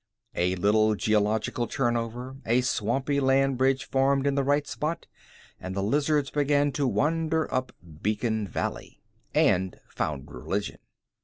A little geological turnover, a swampy land bridge formed in the right spot, and the lizards began to wander up beacon valley. And found religion.